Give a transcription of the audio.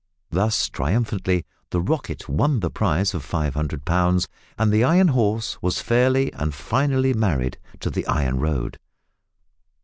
Thus triumphantly the "Rocket" won the prize of 500 pounds, and the Iron Horse was fairly and finally married to the Iron Road.